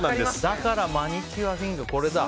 だからマニキュアフィンガーこれだ。